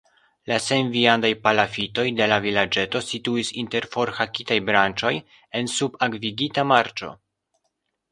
La senviandaj palafitoj de la vilaĝeto situis inter forhakitaj branĉoj en subakvigita marĉo.